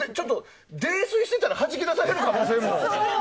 泥酔してたらはじき出される可能性も。